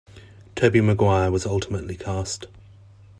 Tobey Maguire was ultimately cast.